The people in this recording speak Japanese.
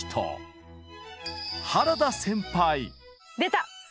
出た！